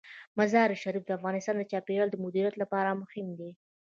مزارشریف د افغانستان د چاپیریال د مدیریت لپاره مهم دي.